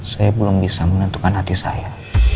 saya belum bisa menentukan hati saya